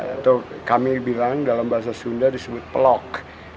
atau kami bilang dalam bahasa sunda disebut pelok